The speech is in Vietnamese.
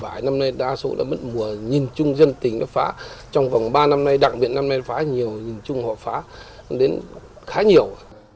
vải năm nay đa số mất mùa nhìn chung dân tỉnh nó phá trong vòng ba năm nay đặc biệt năm nay nó phá nhiều nhìn chung họ phá đến khá nhiều